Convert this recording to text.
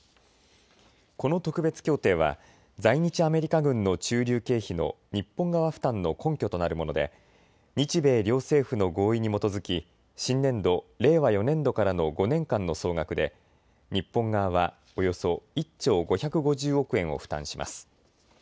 この特別協定は在日アメリカ軍の駐留経費の日本側負担の根拠となるもので日米両政府の合意に基づき新年度・令和４年度からの５年間の総額で日本側はおよそ１兆５５０億円を負担します。